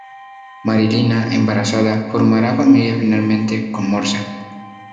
Marilina, embarazada, formará familia finalmente con Morsa.